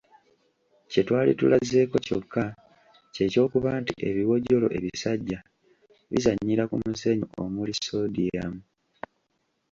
Kye twali tulazeeko kyokka ky’ekyokuba nti ebiwojjolo ebisajja bizannyira ku musenyu omuli soodiyamu.